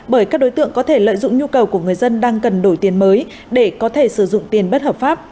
bởi các đối tượng có thể lợi dụng nhu cầu của người dân đang cần đổi tiền mới để có thể sử dụng tiền bất hợp pháp